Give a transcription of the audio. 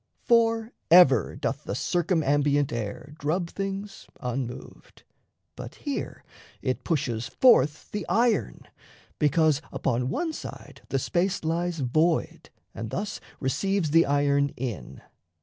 For ever doth the circumambient air Drub things unmoved, but here it pushes forth The iron, because upon one side the space Lies void and thus receives the iron in.